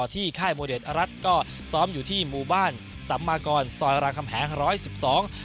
ที่ค่ายโมเดชรัตรก็ซ้อมอยู่ที่มุมบ้านสัมมากรซอยรางคำแหง๑๑๒